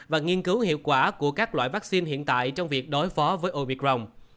và nghiên cứu hiệu quả của các loại vaccine hiện tại trong việc đối phó với omicron